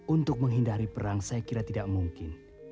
untuk menghindari perang saya kira tidak mungkin